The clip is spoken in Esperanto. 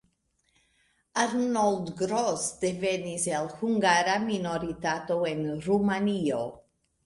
Arnold Gross devenis el hungara minoritato en Rumanio.